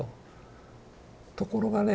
ところがね